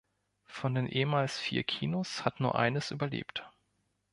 Von den ehemals vier Kinos hat nur eines überlebt.